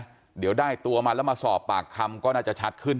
เดี๋ยวได้ตัวมาแล้วมาสอบปากคำก็น่าจะชัดขึ้น